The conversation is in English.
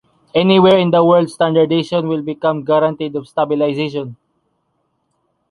Anywhere in the world standardization will become guaranteed of stabilization.